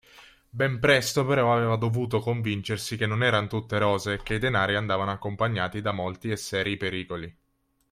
Ben presto però aveva dovuto convincersi che non eran tutte rose e che i denari andavano accompagnati da molti e serii pericoli.